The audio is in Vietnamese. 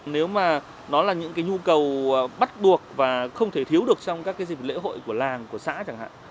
nếu mà nó là những cái nhu cầu bắt buộc và không thể thiếu được trong các cái dịp lễ hội của làng của xã chẳng hạn